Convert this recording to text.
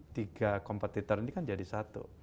tiga kompetitor ini kan jadi satu